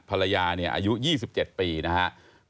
ภรรยาอายุ๒๗ปีนะครับ